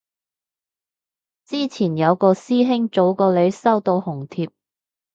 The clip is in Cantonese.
之前有個師兄早過你收到紅帖